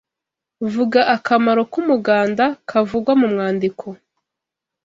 Vuga akamaro k’umuganda kavugwa mu mwandiko.